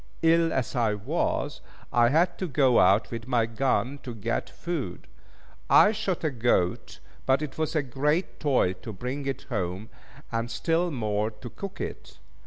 Ill as I was, I had to go out with my gun to get food. I shot a goat, but it was a great toil to bring it home, and still more to cook it.